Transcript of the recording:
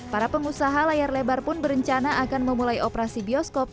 para pengusaha layar lebar pun berencana akan memulai operasi bioskop